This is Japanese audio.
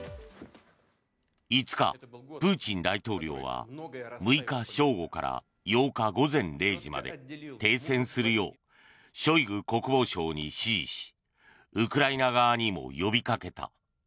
５日、プーチン大統領は６日正午から８日午前０時まで停戦するようショイグ国防相に指示しウクライナ側にも呼びかけた。